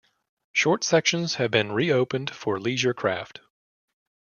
Short sections have been reopened for leisure craft.